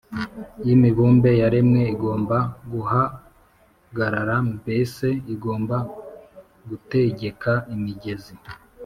y’imibumbe yaremwe igomba guhagarara? Mbese igomba gutegeka imigezi